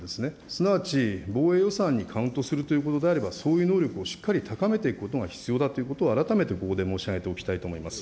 すなわち、防衛予算にカウントするということであれば、そういう能力をしっかり高めていくことが必要だということを、改めてここで申し上げておきたいと思います。